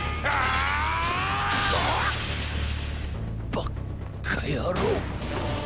⁉ばっかやろう。